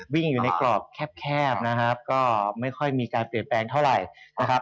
วิ่งอยู่ในกรอบแคบนะครับก็ไม่ค่อยมีการเปลี่ยนแปลงเท่าไหร่นะครับ